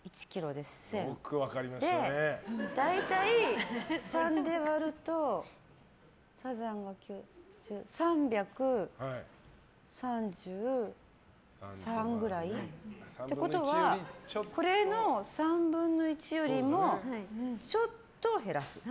で、大体３で割ると３３３ぐらい？ってことはこれの３分の１よりもちょっと減らす？